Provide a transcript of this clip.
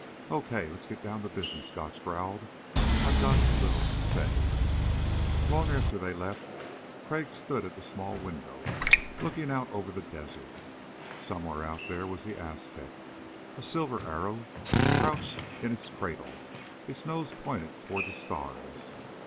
"Okay, let's get down to business," Gotch growled. "I've got a little to say." Long after they left Crag stood at the small window, looking out over the desert. Somewhere out there was the Aztec, a silver arrow crouched in its cradle, its nose pointed toward the stars.